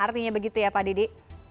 artinya begitu ya pak dede